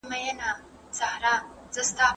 استاد د شاګرد هڅونه ولي مهمه ده؟